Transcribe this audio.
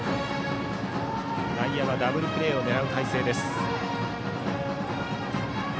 内野はダブルプレーを狙う態勢。